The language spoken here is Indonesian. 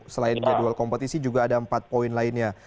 selain jadwal kompetisi juga ada empat poin lainnya